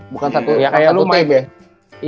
bukan satu satu team ya